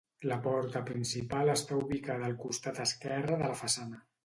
La porta principal està ubicada al costat esquerre de la façana.